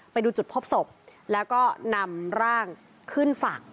ไปดูจุดพบศพแล้วก็นำร่างขึ้นฝั่ง